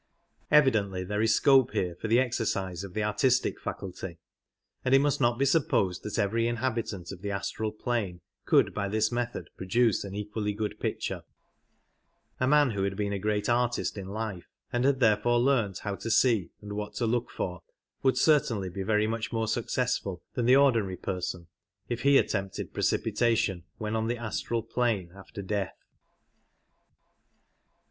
Evidently there is scope here for the exercise of the artistic faculty, and it must not be supposed that every inhabitant of the astral plane could by this method produce an equally good picture ; a man who had been a great artist in life, and had therefore learnt how to see and what to look for, would certainly be very much more successful than the ordinary person if he attempted precipitation when on the astral plane after death.